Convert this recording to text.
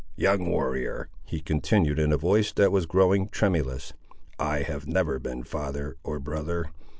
"Young warrior," he continued in a voice that was growing tremulous, "I have never been father, or brother.